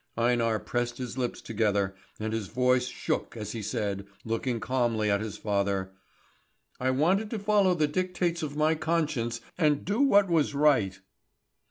Einar pressed his lips together, and his voice shook as he said, looking calmly at his father: "I wanted to follow the dictates of my conscience, and do what was right."